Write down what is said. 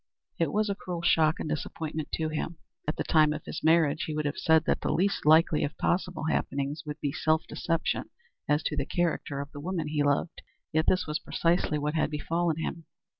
It was a cruel shock and disappointment to him. At the time of his marriage he would have said that the least likely of possible happenings would be self deception as to the character of the woman he loved. Yet this was precisely what had befallen him.